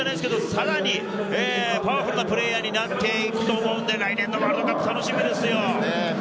さらにパワフルなプレーヤーになっていくと思うので、来年のワールドカップ、楽しみですよ。